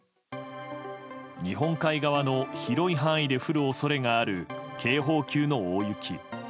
日本海側の広い範囲で降る恐れがある警報級の大雪。